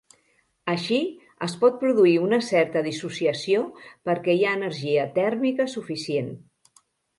Així, es pot produir una certa dissociació perquè hi ha energia tèrmica suficient.